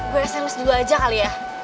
gue sms dulu aja kali ya